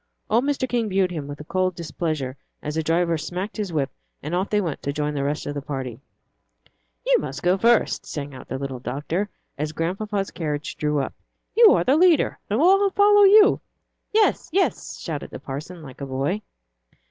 Old Mr. King viewed him with cold displeasure as the driver smacked his whip and off they went to join the rest of the party. "You must go first," sang out the little doctor, as Grandpapa's carriage drove up; "you are the leader, and we'll all follow you." "Yes, yes," shouted the parson, like a boy.